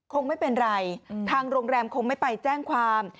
คงไม่เป็นไรทางโรงแรมคงไม่ไปแจ้งความ